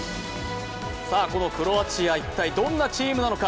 さあ、このクロアチア、一体どんなチームなのか？